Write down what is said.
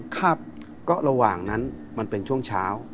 ครับก็ระหว่างนั้นมันเป็นช่วงเช้า